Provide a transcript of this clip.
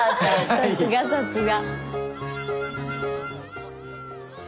さすがさすが。